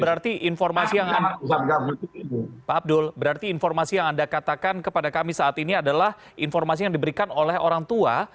berarti informasi yang ada pak abdul berarti informasi yang anda katakan kepada kami saat ini adalah informasi yang diberikan oleh orang tua